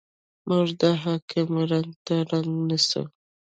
موږ د حاکم رنګ ته رنګ نیسو.